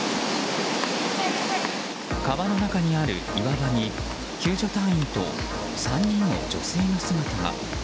川の中にある岩場に救助隊員と３人の女性の姿が。